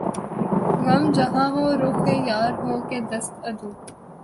غم جہاں ہو رخ یار ہو کہ دست عدو